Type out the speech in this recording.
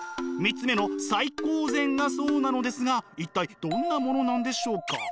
３つ目の最高善がそうなのですが一体どんなものなのでしょうか。